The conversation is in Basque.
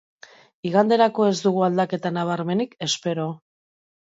Iganderako ez dugu aldaketa nabarmenik espero.